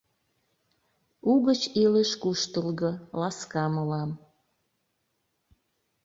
Угыч илыш куштылго, ласка мылам.